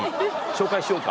紹介しようか？